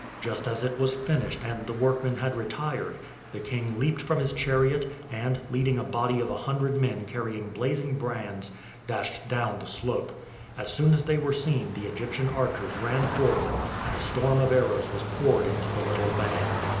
Just as it was finished and the workmen had retired, the king leaped from his chariot, and, leading a body of a hundred men carrying blazing brands, dashed down the slope. As soon as they were seen the Egyptian archers ran forward and a storm of arrows was poured into the little band.